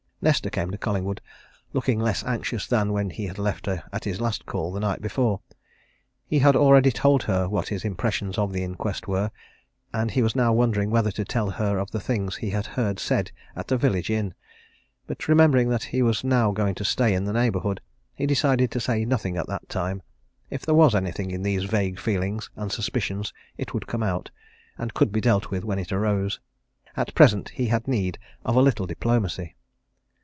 Nesta came to Collingwood looking less anxious than when he had left her at his last call the night before. He had already told her what his impressions of the inquest were, and he was now wondering whether to tell her of the things he had heard said at the village inn. But remembering that he was now going to stay in the neighbourhood, he decided to say nothing at that time if there was anything in these vague feelings and suspicions it would come out, and could be dealt with when it arose. At present he had need of a little diplomacy.